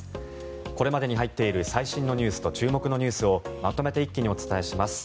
これまでに入っている最新ニュースと注目ニュースをまとめて一気にお伝えします。